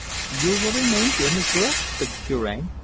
"You will remain here, Monsieur?" said the Cure.